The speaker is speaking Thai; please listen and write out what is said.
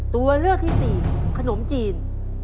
ตัวเลือกที่สี่ขนมจีน